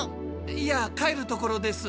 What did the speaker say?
いや帰るところです。